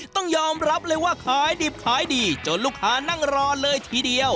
ต้องยอมรับเลยว่าขายดิบขายดีจนลูกค้านั่งรอเลยทีเดียว